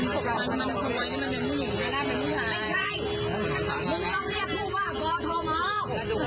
มันก็เลี่ยวส่วน